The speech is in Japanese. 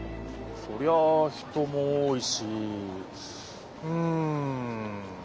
そりゃあ人も多いしうん。